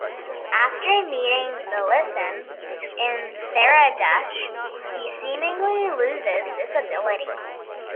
After meeting Melissan in Saradush, he seemingly loses this ability.